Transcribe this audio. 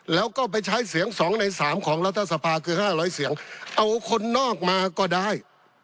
แล้วก็ไปใช้เสียงสองในสามของรัฐสภาคือห้าร้อยเสียงเอาคนนอกมาก็ได้